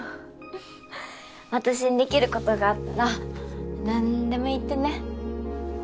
私にできることがあったら何でも言ってね